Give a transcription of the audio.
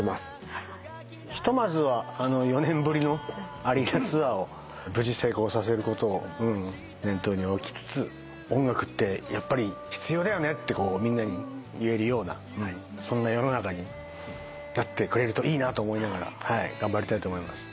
ひとまずは４年ぶりのアリーナツアーを無事成功させることを念頭に置きつつ音楽ってやっぱり必要だよねってみんなに言えるようなそんな世の中になってくれるといいなと思いながら頑張りたいと思います。